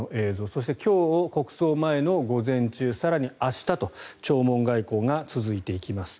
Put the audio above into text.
そして今日、国葬前の午前中更に明日と弔問外交が続いていきます。